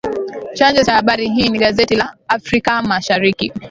Chanzo cha habari hii ni gazeti la “Afrika Mashariki.”